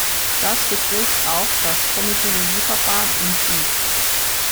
Das betrifft auch das Komitologieverfahren und die .